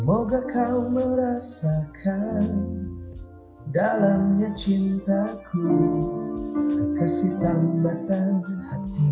ah kalau adanya ada budaya later hati kemudian selalu balikan besar jika keahlian